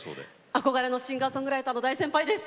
憧れのシンガーソングライターの大先輩です。